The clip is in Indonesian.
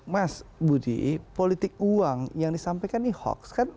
mas budi politik uang yang disampaikan ini hoax kan